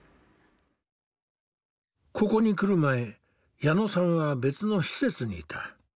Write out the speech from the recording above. ここに来る前矢野さんは別の施設にいた。